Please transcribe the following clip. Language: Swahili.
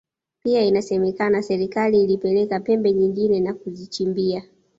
Pia inasemekana serikali ilipeleka pembe nyingine na kuzichimbia